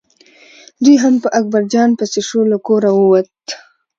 دی هم په اکبر جان پسې شو له کوره ووت.